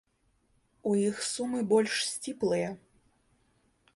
У іх сумы больш сціплыя.